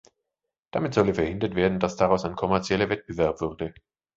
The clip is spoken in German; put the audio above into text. Damit solle verhindert werden, dass daraus „ein kommerzieller Wettbewerb“ würde.